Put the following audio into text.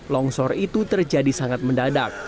longsor itu terjadi sangat mendadak